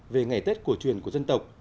về ngày tết của truyền của dân tộc